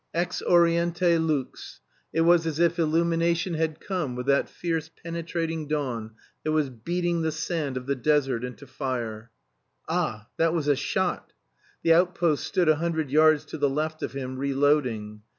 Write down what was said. Ex oriente lux! It was as if illumination had come with that fierce penetrating dawn that was beating the sand of the desert into fire. Ah that was a shot! The outpost stood a hundred yards to the left of him reloading.